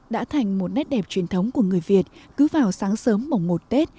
đã thành một nét đẹp truyền thống của người việt cứ vào sáng sớm mùng một tết